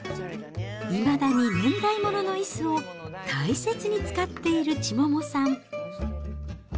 いまだに年代物のいすを大切に使っている千桃さん。